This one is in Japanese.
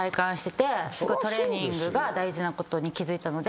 トレーニングが大事なことに気付いたので。